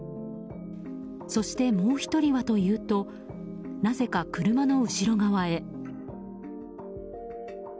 そして、もう１人はというとなぜか車の後ろ側へ。